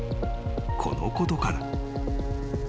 ［このことから］